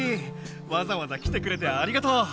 わざわざ来てくれてありがとう。